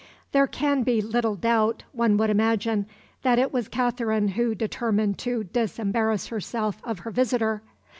There can be little doubt, one would imagine, that it was Katherine who determined to disembarrass herself of her visitor.